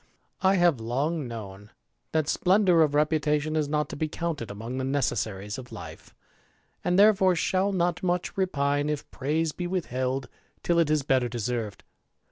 J ^^ I have long known that splendour of reputation is not to be counted among the necessaries of life, and therefoce shall not much repine if praise be withheld till it is better deserved.